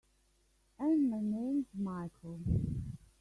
And my name's Michael.